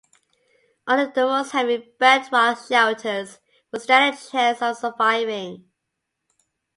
Only the most heavy bedrock-shelters would stand a chance of surviving.